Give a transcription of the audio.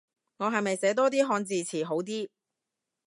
我係咪寫多啲漢字詞好啲